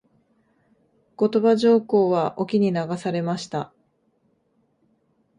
後鳥羽上皇は隠岐に流されました。